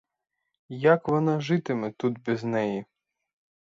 Як вона житиме тут без неї?